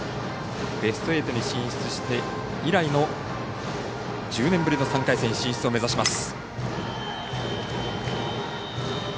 ベスト８に進出して以来の１０年ぶりの３回戦進出を目指します。